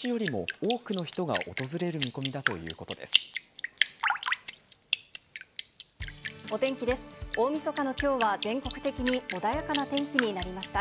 大みそかのきょうは、全国的に穏やかな天気になりました。